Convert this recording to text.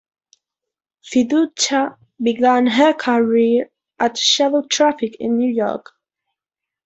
Fiducia began her career at Shadow Traffic in New York.